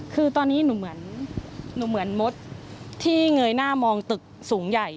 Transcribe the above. คือตอนนี้หนูเหมือนมดที่เงยหน้ามองตึกสูงใหญ่